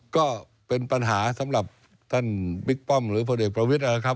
ก็เป็นปัญหาสำหรับท่านบิ๊กป้อมหรือพลเอกประวิทย์นะครับ